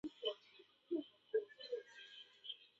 晚点传给大家